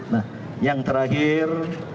nah yang terakhir